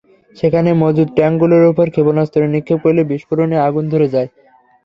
সেখানে মজুত ট্যাংকগুলোর ওপর ক্ষেপণাস্ত্র নিক্ষেপ করলে বিস্ফোরণে আগুন ধরে যায়।